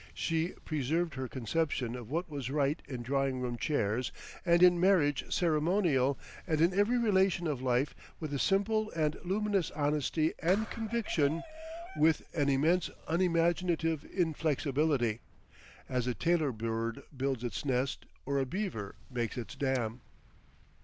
She preserved her conception of what was right in drawing room chairs and in marriage ceremonial and in every relation of life with a simple and luminous honesty and conviction, with an immense unimaginative inflexibility—as a tailor bird builds its nest or a beaver makes its dam.